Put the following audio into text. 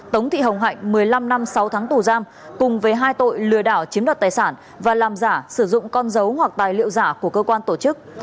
tống thị hồng hạnh một mươi năm năm sáu tháng tù giam cùng với hai tội lừa đảo chiếm đoạt tài sản và làm giả sử dụng con dấu hoặc tài liệu giả của cơ quan tổ chức